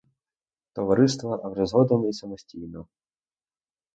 Товариства, а вже згодом і самостійно.